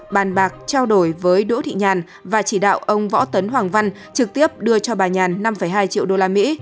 bàn bạc trao đổi với đỗ thị nhàn và chỉ đạo ông võ tấn hoàng văn trực tiếp đưa cho bà nhàn năm hai triệu usd